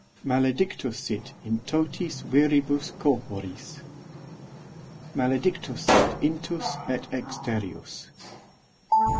i n Maledictus sit in totis viribus corporis. i n Maledictus sit intus et exterius.